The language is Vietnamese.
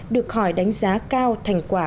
được khỏi đánh giá cao thành quả